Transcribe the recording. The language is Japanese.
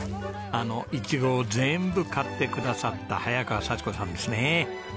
あのイチゴを全部買ってくださった早川幸子さんですね。